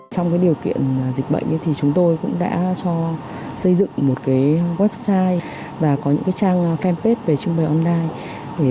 trong cái điều kiện dịch bệnh thì chúng tôi cũng đã cho xây dựng một cái website và có những cái trang fanpage về trưng bày online